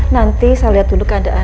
nanti saya lihat dulu keadaan bapak saya